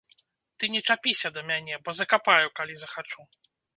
Ты не чапіся да мяне, бо закапаю, калі захачу.